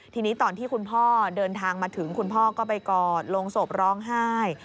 ทีนี้ตอนที่คุณพ่อเดินทางมาถึงคุณพ่อก็ไปกอดลงศพร้องไห้